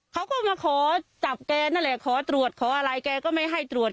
เขาก็มาขอจับแกนั่นแหละขอตรวจขออะไรแกก็ไม่ให้ตรวจ